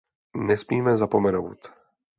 Nesmíme zapomenout!